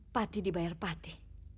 pati dibayar pati